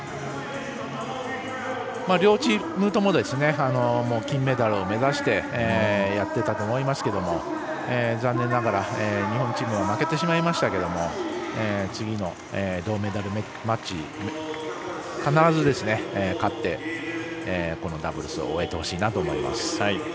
両チームとも、金メダルを目指してやっていたと思いますが残念ながら日本チームは負けてしまいましたけれども次の銅メダルマッチ、必ず勝ってこのダブルスを終えてほしいなと思います。